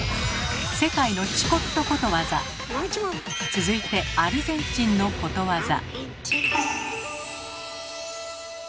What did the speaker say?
続いてアルゼンチンのことわざ。